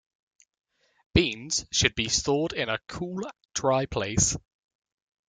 Beans should be stored in a cool, dry place.